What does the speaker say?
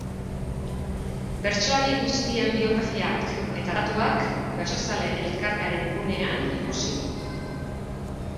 Bertsolari guztien biografiak eta datuak Bertsozale elkartearen gunean ikusi.